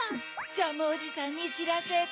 ジャムおじさんにしらせて。